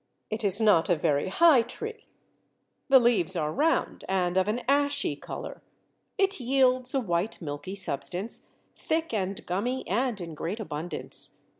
It is not a very high tree: the leaves are round and of an ashy colour: it yields a white milky substance, thick and gummy and in great abundance.